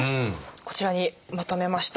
こちらにまとめました。